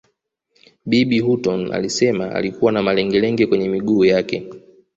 Bibi Hutton alisema alikuwa na malengelenge kwenye miguu yake